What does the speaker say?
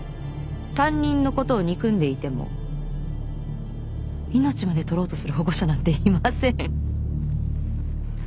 担任のことを憎んでいても命まで取ろうとする保護者なんていません。